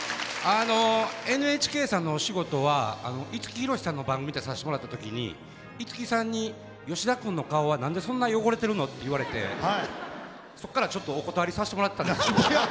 あのＮＨＫさんのお仕事は五木ひろしさんの番組に出さしてもらった時に五木さんに「吉田君の顔は何でそんな汚れてるの？」って言われてそこからちょっとお断りさしてもらってたんですけど。